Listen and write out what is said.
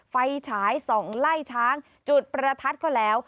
ไฟฉายส่องไล่ช้างจุดประทัดก็แล้ว